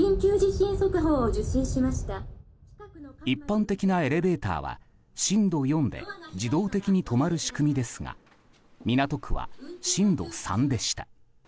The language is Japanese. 一般的なエレベーターは震度４で自動的に止まる仕組みですが港区は震度３でした。